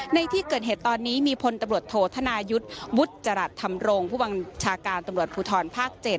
ในที่เกิดเหตุตอนนี้มีพลตำรวจโทษธนายุทธ์วุฒิจรัสธรรมรงค์ผู้บัญชาการตำรวจภูทรภาค๗